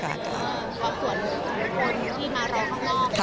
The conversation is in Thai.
ครอบครัวนี่คือคนที่มารอครอบครัว